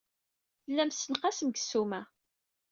Tellam tessenqasem deg ssuma.